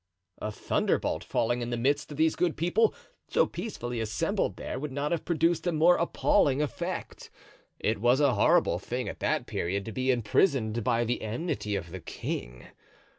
A thunderbolt falling in the midst of these good people, so peacefully assembled there, would not have produced a more appalling effect. It was a horrible thing at that period to be imprisoned by the enmity of the king.